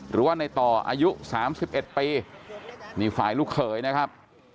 หรือว่าในต่ออายุ๓๑ปีนี่ฝ่ายลูกเขยนะครับ